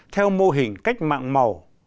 theo mô hình cách mạng màu